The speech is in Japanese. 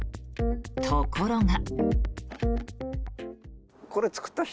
ところが。